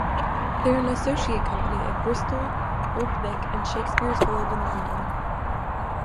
They are an associate company of Bristol Old Vic and Shakespeare's Globe in London.